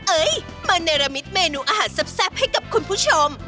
เอ้ยมาเนรมิตเมนูอาหารแซ่บให้กับคุณผู้ชม